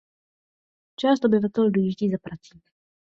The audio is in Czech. Část obyvatel dojíždí za prací.